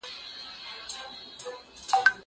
زه کولای سم کتاب ولولم!!